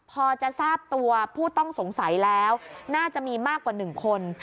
พอจะทราบตัวผู้ต้องสงสัยแล้วน่าจะมีมากกว่า๑คน